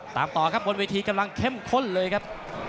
ตามต่อครับบนเวทีกำลังเข้มข้นเลยครับ